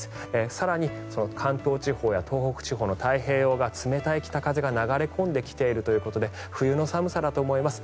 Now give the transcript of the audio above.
更に関東地方や東北地方の太平洋側冷たい北風が流れ込んできているということで冬の寒さだと思います。